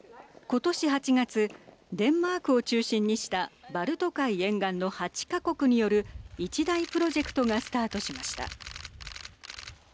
今年８月デンマークを中心にしたバルト海沿岸の８か国による一大プロジェクトがスタートしました。